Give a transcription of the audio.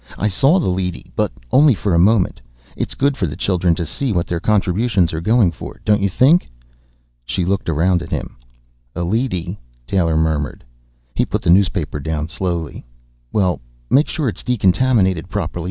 I saw the leady, but only for a moment. It's good for the children to see what their contributions are going for, don't you think?" She looked around at him. "A leady," Taylor murmured. He put the newspaper slowly down. "Well, make sure it's decontaminated properly.